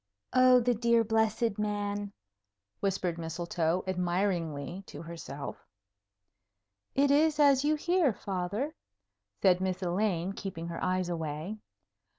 "Oh, the dear blessed man!" whispered Mistletoe, admiringly, to herself. "It is as you hear, Father," said Miss Elaine, keeping her eyes away.